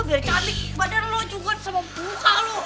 biar cantik badan lo juga sama busa lo